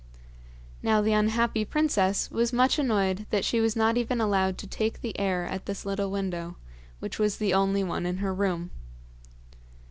Now the unhappy princess was much annoyed that she was not even allowed to take the air at this little window, which was the only one in her room.